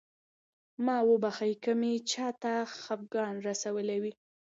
ما وبښئ که مې چاته خفګان رسولی وي.